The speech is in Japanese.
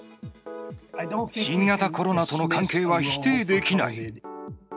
新型コロナとの関係は否定できない。